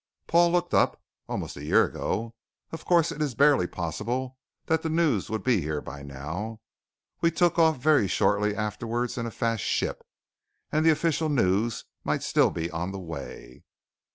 Paul looked up. "Almost a year ago. Of course, it is barely possible that the news would be here by now. We took off very shortly afterwards in a fast ship, and the official news might be still on the way."